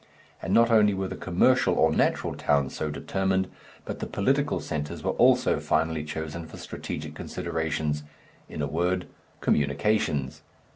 And not only were the commercial or natural towns so determined, but the political centres were also finally chosen for strategic considerations, in a word communications.